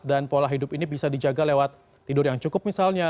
dan pola hidup ini bisa dijaga lewat tidur yang cukup misalnya